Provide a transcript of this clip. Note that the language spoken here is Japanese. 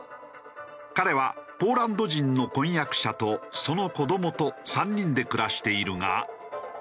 彼はポーランド人の婚約者とその子どもと３人で暮らしているが。